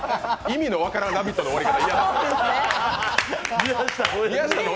意味の分からん「ラヴィット！」の終わり方、嫌なの。